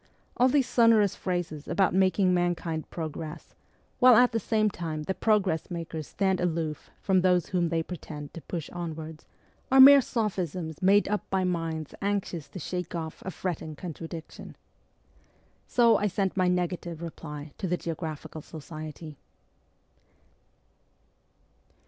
All those sonorous phrases about making man kind progress, while at the same time the progress makers stand aloof from those whom they pretend to push onwards, are mere sophisms made up by minds anxious to shake off a fretting contradiction. So I sent my negative reply to the Geographical Society.